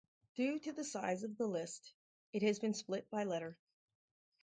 Due to the size of the list, it has been split by letter.